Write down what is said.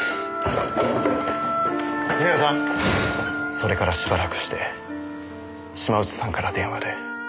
それからしばらくして島内さんから電話で。